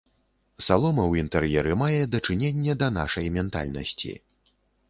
Салома ў інтэр'еры мае дачыненне да нашай ментальнасці.